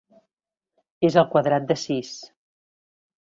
És el quadrat de sis.